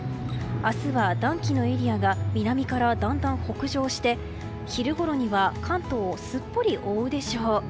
明日は暖気のエリアが南から、だんだん北上して昼ごろには関東をすっぽり覆うでしょう。